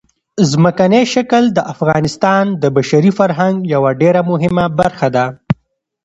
ځمکنی شکل د افغانستان د بشري فرهنګ یوه ډېره مهمه برخه ده.